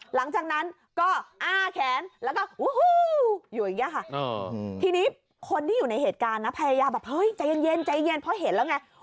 หลังจากนั้นก็อะแขนแล้วก็อูฮู